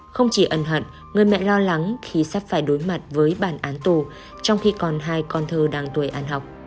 không chỉ ân hận người mẹ lo lắng khi sắp phải đối mặt với bản án tù trong khi còn hai con thơ đang tuổi ăn học